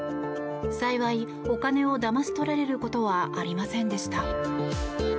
幸い、お金をだまし取られることはありませんでした。